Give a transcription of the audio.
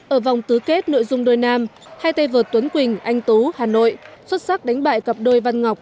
ở vòng tứ kết nội dung đôi nam hai tay vợt tuấn quỳnh anh tú hà nội xuất sắc đánh bại cặp đôi văn ngọc